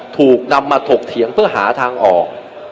ถูกนำมาถกเถียงเพื่อหาทางออก